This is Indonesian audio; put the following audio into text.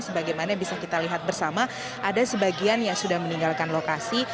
sebagaimana bisa kita lihat bersama ada sebagian yang sudah meninggalkan lokasi